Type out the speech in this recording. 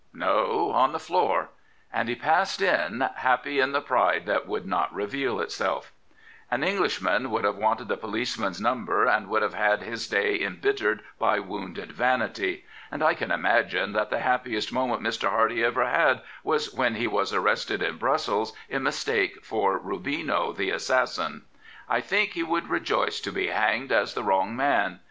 " No, on the floor." And he passed in, happy in the pride that would not reveal itself. An Englishman would have wanted the policeman's number, and would have had his day embjttered by wounded vanity. And I can imagine that the happiest moment Mr. Hardie ever had was when he was arrested jn prussels in mistake for Rubino, the ^fesj^sim ithink he would rejoice to be hanged as the wrong man.